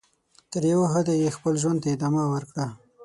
تر یوه حده یې خپل ژوند ته ادامه ورکړه.